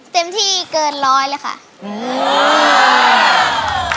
เต็มที่เกินร้อยเลยค่ะ